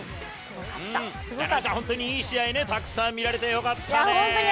本当に、いい試合たくさん見られて良かったね。